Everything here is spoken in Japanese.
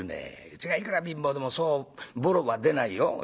うちがいくら貧乏でもそうボロは出ないよ」。